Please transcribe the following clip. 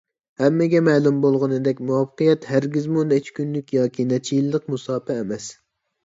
ھەممىگە مەلۇم بولغىنىدەك، مۇۋەپپەقىيەت ھەرگىزمۇ نەچچە كۈنلۈك ياكى نەچچە يىللىق مۇساپە ئەمەس.